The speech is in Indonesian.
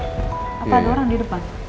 apa ada orang di depan